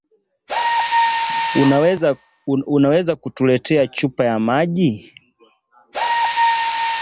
Unaweza kutuletea chupa ya maji?